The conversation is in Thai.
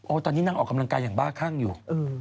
ตอนนี้นั่งออกกำลังกายอย่างบ้าคั่งอยู่